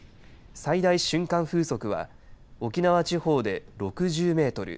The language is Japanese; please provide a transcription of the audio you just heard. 最大瞬間風速は沖縄地方で６０メートル